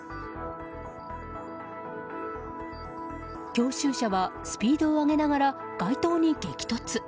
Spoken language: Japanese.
教習車はスピードを上げながら街灯に激突。